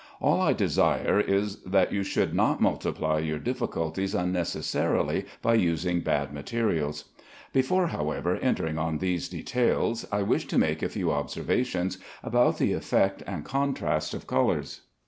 All I desire is that you should not multiply your difficulties unnecessarily by using bad materials. Before, however, entering on these details, I wish to make a few observations about the effect and contrast of colors.